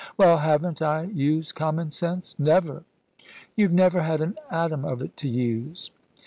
"Well, haven't I used common sense?" "Never: you've never had an atom of it to use."